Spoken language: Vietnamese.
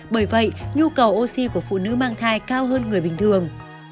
bởi vậy nhu cầu oxy của phụ nữ mang thai cao hơn người bình thường